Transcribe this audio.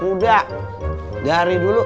muda dari dulu